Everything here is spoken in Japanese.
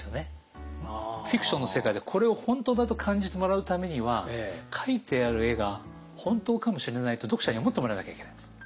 フィクションの世界でこれを本当だと感じてもらうためには描いてある絵が本当かもしれないと読者に思ってもらわなきゃいけないんです。